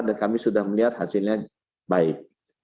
dan kami sudah melihat hasilnya baik